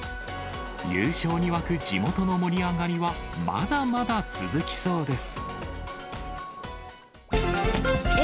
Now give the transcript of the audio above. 優勝に沸く地元の盛り上がりはまだまだ続きそうです。